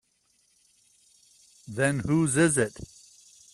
Then whose is it?